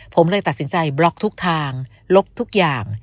ผมเลยตัดสินใจบล็อกทุกทางลบทุกอย่าง